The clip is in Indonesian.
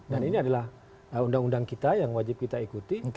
dan ini adalah undang undang kita yang wajib kita ikuti